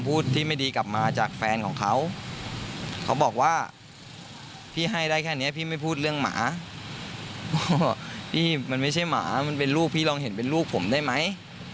พี่มันไม่ใช่หมามันเป็นลูกพี่ลองเห็นเป็นลูกผมได้ไหม